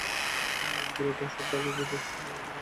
বুড়োটা সব ভালো বুঝেই সব আমাকে দিয়ে গেছে।